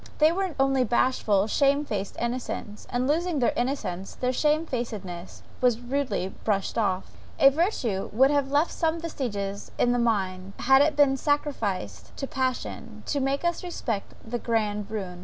No, they were only bashful, shame faced innocents; and losing their innocence, their shame facedness was rudely brushed off; a virtue would have left some vestiges in the mind, had it been sacrificed to passion, to make us respect the grand ruin.